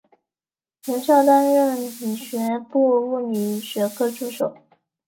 留校担任理学部物理学科助手。